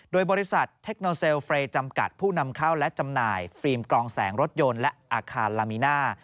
โดยบริษัทเทคโนเซลเฟรย์จำกัดผู้นำเข้าและจำหน่ายฟิล์มกลองแสงรถยนต์และอาคารลามิน่า